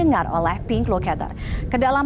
antaraalia vision selanjutnya gabung mscdeal chaos